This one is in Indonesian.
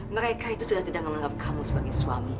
mereka itu sudah tidak menganggap kamu sebagai suami